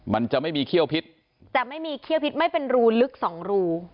มันจะไม่มีเขี้ยวพิษแต่ไม่มีเขี้ยวพิษไม่เป็นรูลึกสองรู